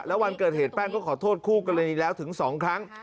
แล้ววันเกิดเหตุแป้งก็ขอโทษคู่กรณีแล้วถึง๒ครั้ง